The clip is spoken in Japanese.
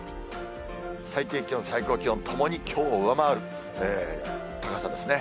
最低気温、最高気温ともにきょうを上回る高さですね。